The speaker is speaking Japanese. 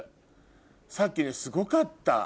さっきねすごかった。